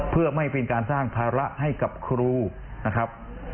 เพื่อไม่เป็นการสร้างภาระให้กับครูนะครับ